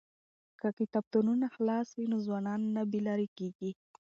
که کتابتونونه خلاص وي نو ځوانان نه بې لارې کیږي.